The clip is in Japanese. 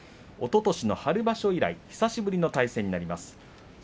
おととしの春場所以来久しぶりの対戦となります。